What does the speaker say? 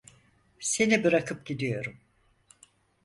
Seni bırakıp gidiyorum.